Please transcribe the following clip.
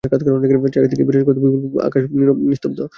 চারি দিকে বিরাজ করত বিপুল অবকাশ নীরব নিস্তব্ধ।